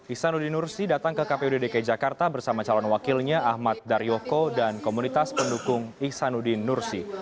ihsanuddin nursi datang ke kpud dki jakarta bersama calon wakilnya ahmad daryoko dan komunitas pendukung ihsanuddin nursi